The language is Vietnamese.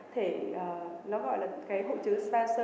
thể nó gọi là hội chứa spation